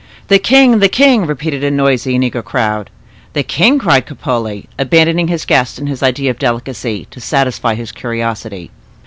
"The king! the king!" repeated a noisy and eager crowd. "The king!" cried Cropole, abandoning his guest and his ideas of delicacy, to satisfy his curiosity.